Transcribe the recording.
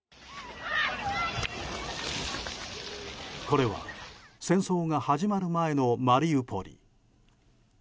これは、戦争が始まる前のマリウポリ。